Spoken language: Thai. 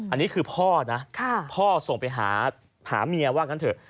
อันนี้คือพ่อนะพ่อส่งไปหาเมียว่างั้นเถอะ